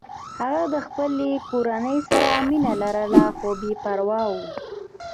هغه د خپلې کورنۍ سره مینه لرله خو بې پروا و